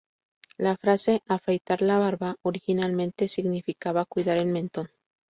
La frase "afeitar la barba" originalmente significaba 'cuidar el mentón'.